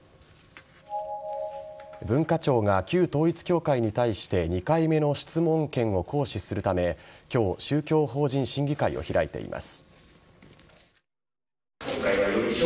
文化庁が旧統一教会に対して２回目の質問権を行使するため今日宗教法人審議会を開いています。